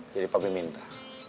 jadi papi minta